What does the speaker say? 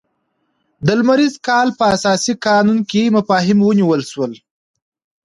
د لمریز کال په اساسي قانون کې مفاهیم ونیول شول.